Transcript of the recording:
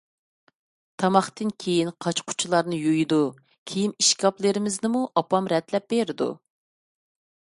تاماقتىن كېيىن قاچا-قۇچىلارنى يۇيىدۇ. كىيىم ئىشكاپلىرىمىزنىمۇ ئاپام رەتلەپ بېرىدۇ.